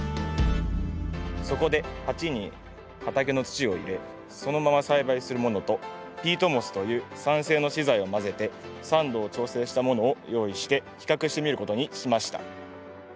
そこで鉢に畑の土を入れそのまま栽培するものとピートモスという酸性の資材を混ぜて酸度を調整したものを用意して比較してみることにしました。